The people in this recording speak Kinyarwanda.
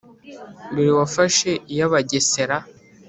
Dore wafashe iy ' Abagesera